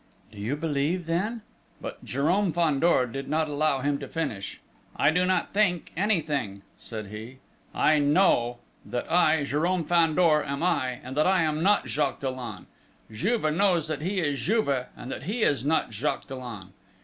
"Do you believe then?..." But Jérôme Fandor did not allow him to finish. "I do not think anything," said he. "I know that I, Jérôme Fandor, am I, and that I am not Jacques Dollon!... Juve knows that he is Juve, and that he is not Jacques Dollon.